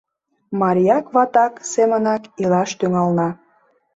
Марияк-ватак семынак илаш тӱҥална.